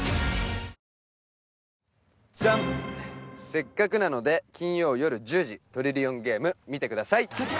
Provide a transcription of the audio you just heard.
「せっかくなので金曜よる１０時」「トリリオンゲーム観てください！」